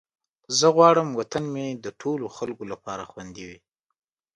زه غواړم وطن مې د ټولو خلکو لپاره خوندي وي.